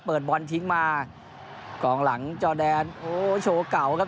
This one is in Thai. เปิดบอลทิ้งมากองหลังจอแดนโอ้โชว์เก่าครับ